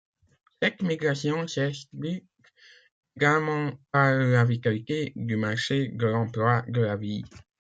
Cette migration s’explique également par la vitalité du marché de l’emploi de la ville.